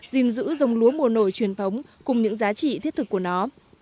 gìn giữ dòng lúa mùa nổi truyền thống cùng những giá trị thiết thực của nó